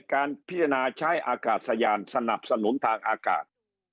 การพิจารณาใช้อากาศยานสนับสนุนทางอากาศ